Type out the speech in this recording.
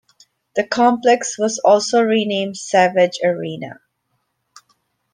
The complex was also renamed Savage Arena.